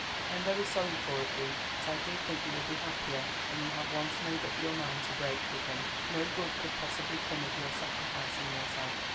I am very sorry for it, Ruth, but I do think you will be happier when you have once made up your mind to break with him. No good could possibly come of your sacrificing yourself."